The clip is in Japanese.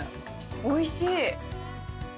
おいしい。